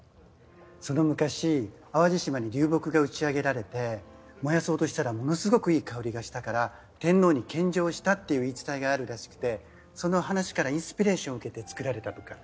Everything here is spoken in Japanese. その昔淡路島に流木が打ち上げられて燃やそうとしたらものすごくいい香りがしたから天皇に献上したっていう言い伝えがあるらしくてその話からインスピレーションを受けて作られたとか。